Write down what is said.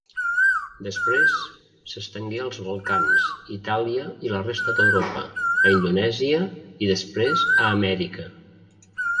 Després s'estengué als Balcans, Itàlia i la resta d'Europa, a Indonèsia i després a Amèrica.